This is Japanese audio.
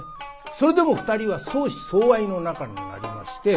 それでも２人は相思相愛の仲になりまして。